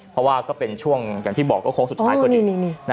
เพราะว่าก็เป็นช่วงอย่างที่บอกก็โค้งสุดท้ายพอดี